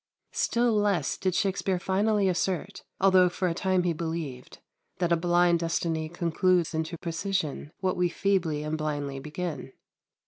Still less did Shakspere finally assert, although for a time he believed, that a blind destiny concludes into precision what we feebly and blindly begin.